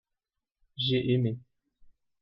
j'ai aimé.